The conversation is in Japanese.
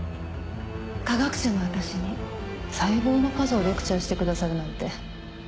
科学者の私に細胞の数をレクチャーしてくださるなんて。